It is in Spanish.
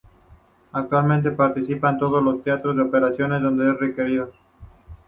Actualmente participa en todos los teatros de operaciones donde es requerido.